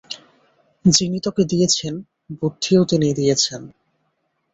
যিনি তোকে দিয়েছেন বুদ্ধিও তিনি দিয়েছেন।